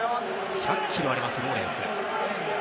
１００キロあります、ローレンス。